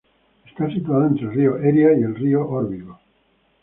Está situado entre el Río Eria y el Río Órbigo.